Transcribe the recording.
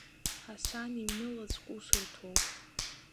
Ҳасан иҩны лацәҟәысырҭоуп.